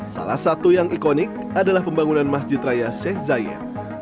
salah satu yang ikonik adalah pembangunan masjid raya sheikh zayed